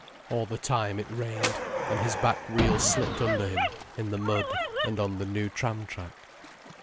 All the time it rained, and his back wheel slipped under him, in the mud and on the new tram track.